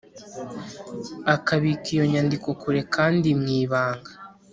akabika iyo nyandiko kure kandi mu ibanga;